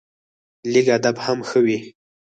لږ ادب هم ښه وي